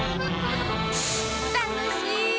たのしい！